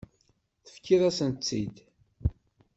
Tefkiḍ-asent-tt-id.